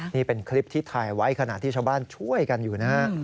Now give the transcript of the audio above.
นี่เป็นคลิปที่ถ่ายไว้ขณะที่ชาวบ้านช่วยกันอยู่นะฮะ